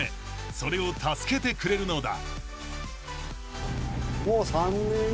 ［それを助けてくれるのだ］